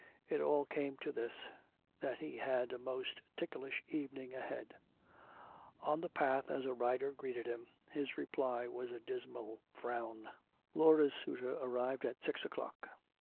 It all came to this, that he had a most ticklish evening ahead! On the path as a rider greeted him, his reply was a dismal frown. Laura's suitor arrived at six o'clock.